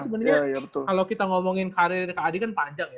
ini sebenernya kalo kita ngomongin karir kad kan panjang ya